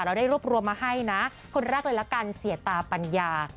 เราได้รวบรวมมาให้นะคนแรกเลยละกันเสียตาปัญญา